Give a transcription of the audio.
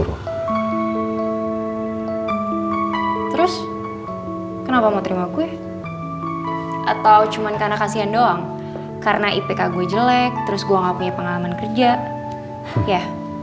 ini pt saya kantor saya nggak ada yang nyuruhnya